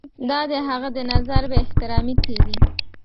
دا د هغه د نظر بې احترامي کیږي.